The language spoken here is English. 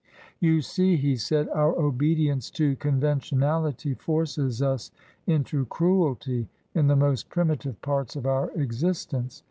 " You see," he said, " our obedience to conventionality forces us into cruelty in the most primitive parts of our existence.